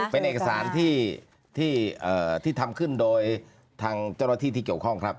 เป็นเอกสารที่ทำขึ้นโดยทางเจ้าหน้าที่ที่เกี่ยวข้องครับ